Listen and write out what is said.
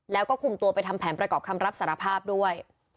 แล้วก็คุมตัวไปทำแผนประกอบคำรับสารภาพด้วย